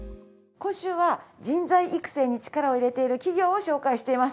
今週は人材育成に力を入れている企業を紹介しています。